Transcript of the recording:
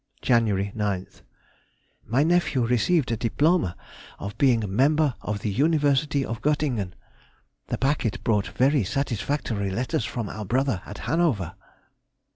Jan. 9th.—My nephew received a diploma of being Member of the University of Göttingen. The packet brought very satisfactory letters from our brother at Hanover.